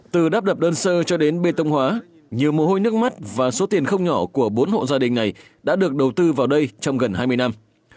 từ đắp đập đơn sơ cho đến bê tông hóa nhiều mồ hôi nước mắt và số tiền không nhỏ của bốn hộ gia đình này đã được đầu tư vào đây trong gần hai mươi năm